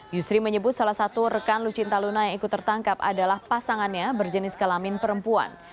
yusri menyebut salah satu rekan lucinta luna yang ikut tertangkap adalah pasangannya berjenis kelamin perempuan